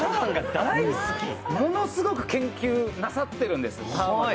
ものすごく研究なさっているんです、大佐。